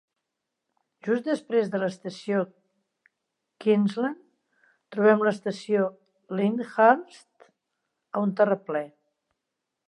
Just després de l"estació Kingsland trobem l"estació Lyndhurst, a un terraplè.